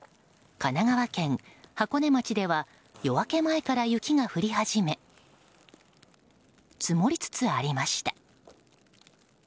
神奈川県箱根町では夜明け前から雪が降り始め積もりつつありました。